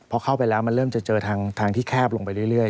พอเข้าไปแล้วมันเริ่มจะเจอทางที่แคบลงไปเรื่อย